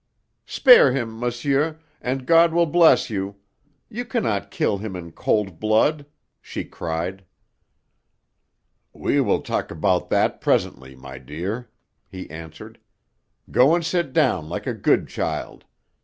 "Spare him, monsieur, and God will bless you! You cannot kill him in cold blood," she cried. "We will talk about that presently, my dear," he answered. "Go and sit down like a good child.